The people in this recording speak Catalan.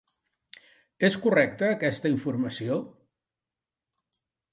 És correcte aquesta informació?